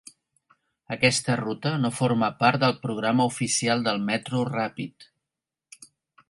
Aquesta ruta no forma part del programa oficial del Metro Rapid.